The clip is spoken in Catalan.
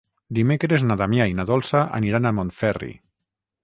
Dimecres na Damià i na Dolça aniran a Montferri.